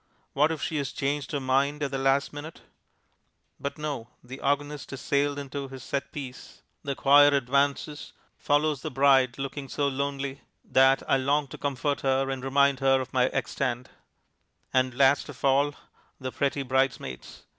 What if she has changed her mind at the last minute? But no. The organist has sailed into his set piece; the choir advances; follows the bride looking so lonely that I long to comfort her and remind her of my egg stand; and, last of all, the pretty bridesmaids.